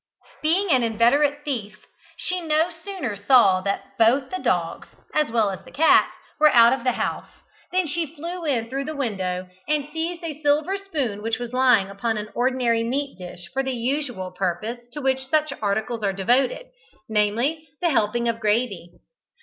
Being an inveterate thief, she no sooner saw that both the dogs, as well as the cat, were out of the house, than she flew in through the window, and seized a silver spoon which was lying upon an ordinary meat dish for the usual purpose to which such articles are devoted, namely, the helping of the gravy.